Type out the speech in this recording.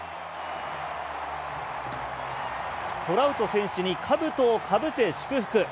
トラウト選手にかぶとをかぶせ祝福。